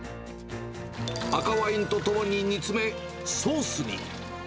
赤ワインとともに煮詰め、ソースに。